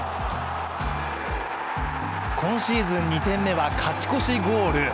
今シーズン２点目は勝ち越しゴール。